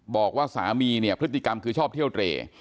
บอกว่าสามีเนี่ยพฤติกรรมคือชอบเที่ยวเตร